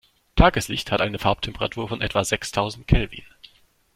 Tageslicht hat eine Farbtemperatur von etwa sechstausend Kelvin.